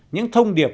những thông điệp